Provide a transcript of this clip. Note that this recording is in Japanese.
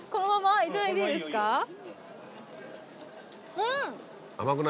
うん！